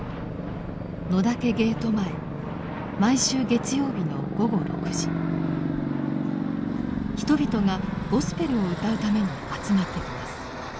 毎週月曜日の午後６時人々がゴスペルを歌うために集まってきます。